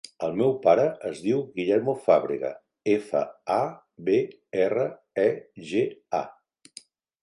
El meu pare es diu Guillermo Fabrega: efa, a, be, erra, e, ge, a.